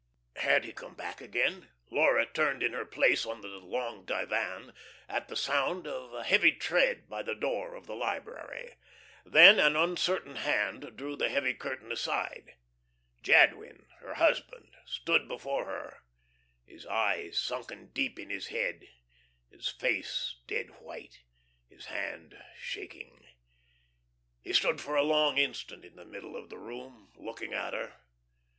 Had he come back again? Laura turned in her place on the long divan at the sound of a heavy tread by the door of the library. Then an uncertain hand drew the heavy curtain aside. Jadwin, her husband, stood before her, his eyes sunken deep in his head, his face dead white, his hand shaking. He stood for a long instant in the middle of the room, looking at her.